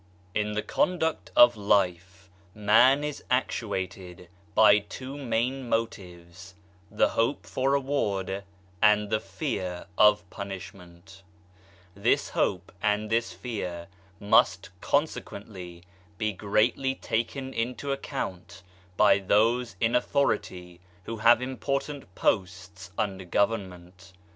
TN the Conduct of life, man is actuated by two main motives :" The Hope for Reward " and* " The Fear of Punishment/ 1 This hope and this fear must consequently be greatly taken into account by those in authority who have important "posts under Government.